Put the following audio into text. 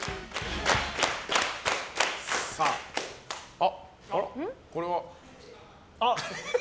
あ、これは！